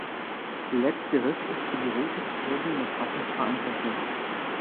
Letzteres ist für die rote Färbung des Wassers verantwortlich.